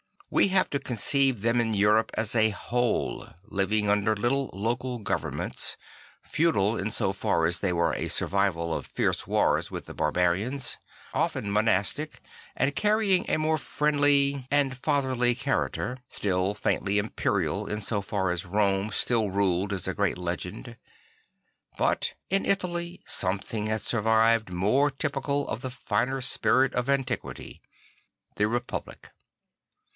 We have to conceive them in Europe as a whole living under little local governments, feudal in so far as they were a survival of fierce wars with the barbarians, often monastic and carrying a more friendly and fatherly character, still faintly imperial in so far as Rome still ruled as a great legend. But in Italy something had survived more typical of the finer spirit of antiquity; the republic.